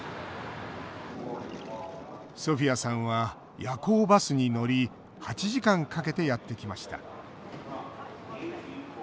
ソフィアさんは夜行バスに乗り８時間かけて、やってきました。